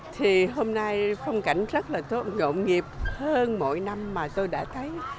thì hôm nay phong cảnh rất là ngộn nghiệp hơn mỗi năm mà tôi đã thấy